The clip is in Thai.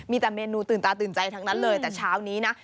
มีแต่เมนูตื่นตาตื่นใจทั้งนั้นเลยแต่เช้านี้นะ